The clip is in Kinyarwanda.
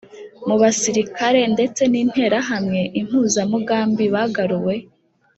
mu basirikare ndetse n Interahamwe Impuzamugambi bagaruwe